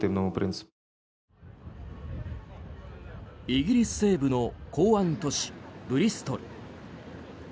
イギリス西部の港湾都市ブリストル。